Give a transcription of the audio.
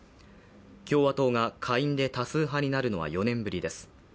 共和党が下院で多数派になるのは４年ぶりです。